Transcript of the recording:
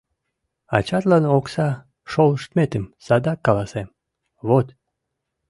Ачатлан окса шолыштметым садак каласем, вот!..